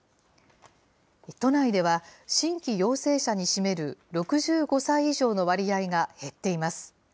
都内では、新規陽性者に占める６５歳以上の割合が減っています。